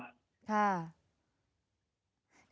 ค่ะ